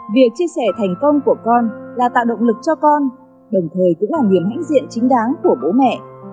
việc chia sẻ thành công của con là tạo động lực cho con đồng thời cũng là niềm hãnh diện chính đáng của bố mẹ